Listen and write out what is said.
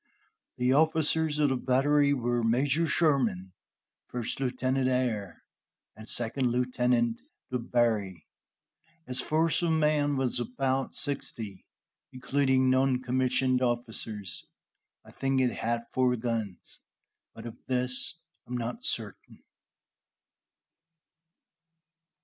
The officers of the battery were Major Sherman, First Lieutenant Ayer, and Second Lieutenant Du Barry. Its force of men was about sixty, including noncommissioned officers. I think it had four guns, but of this I am not certain.